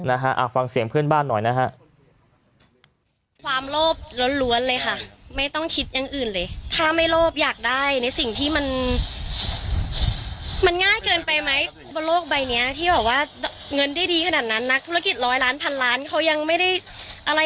นะฮะฟังเสียงเพื่อนบ้านหน่อยนะฮะ